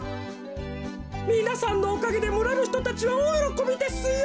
みなさんのおかげでむらのひとたちはおおよろこびですよ！